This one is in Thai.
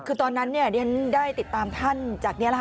คือตอนนั้นดิฉันได้ติดตามท่านจากนี้แหละค่ะ